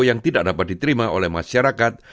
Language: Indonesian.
yang tidak dapat diterima oleh masyarakat